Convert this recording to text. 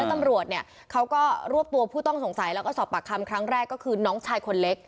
ตำรวจเนี่ยเขาก็รวบตัวผู้ต้องสงสัยแล้วก็สอบปากคำครั้งแรกก็คือน้องชายคนเล็ก